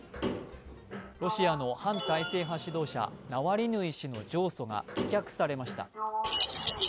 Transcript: ロシアの反体制派指導者、ナワリヌイ氏の上訴が棄却されました。